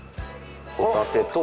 ホタテと。